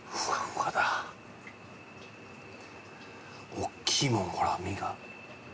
大きいもんほら身が。